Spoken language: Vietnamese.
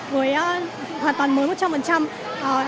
với hoàn toàn mới một trăm linh